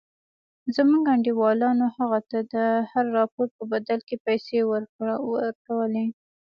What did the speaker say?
زموږ انډيوالانو هغه ته د هر راپور په بدل کښې پيسې ورکولې.